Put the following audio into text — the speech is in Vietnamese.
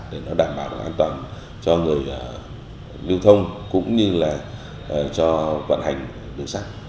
để nó đảm bảo an toàn cho người lưu thông cũng như là cho vận hành đường sắt